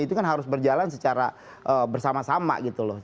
itu kan harus berjalan secara bersama sama gitu loh